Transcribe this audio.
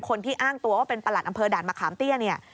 คนที่อ้างตัวว่าเป็นประหลัดอำเภอด่านมะขามเตี้ยเนี่ย